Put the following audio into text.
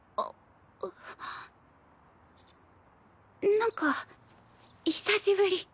なんか久しぶり。